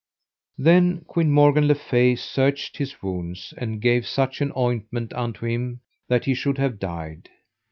Then Queen Morgan le Fay searched his wounds, and gave such an ointment unto him that he should have died.